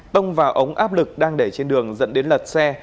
tông vào ống áp lực đang để trên đường dẫn đến lật xe